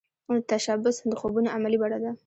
تشبث د خوبونو عملې بڼه ده